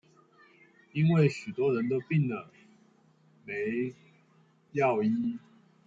因為許多人都病了沒藥醫